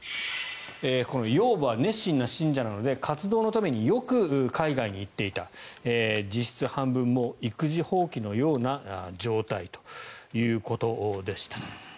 この養母は熱心な信者なので活動のためによく海外に行っていた実質、半分育児放棄のような状態ということでした。